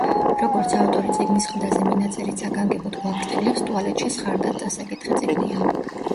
როგორც ავტორი წიგნის ყდაზე მინაწერით საგანგებოდ გვაფრთხილებს, ტუალეტში სხარტად წასაკითხი წიგნია.